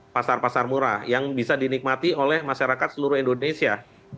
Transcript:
pasar pasar murah yang bisa dinikmati oleh masyarakat seluruh indonesia